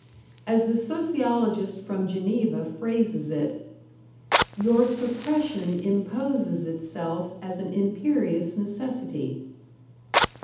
As the sociologist from Geneva phrases it, "Your suppression imposes itself as an imperious necessity."